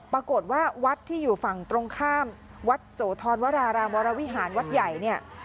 ปรากฏว่าวัดที่อยู่ฝั่งตรงข้ามวัดโสธรวรารามวรวิหารวัดใหญ่เนี่ย